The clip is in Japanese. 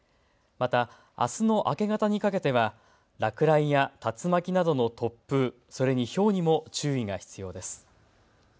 また、あすの明け方にかけては落雷や竜巻などの突風、それにひょうにも注意が必要です。